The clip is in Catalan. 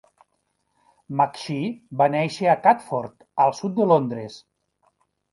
McShee va néixer a Catford, al sud de Londres.